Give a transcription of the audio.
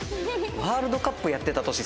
ワールドカップやってた年ですよ。